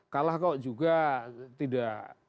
kalah kok juga tidak